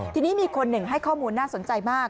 ทีนี้มีคนหนึ่งให้ข้อมูลน่าสนใจมาก